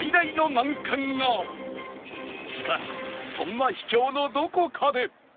しかしそんな秘境のどこかで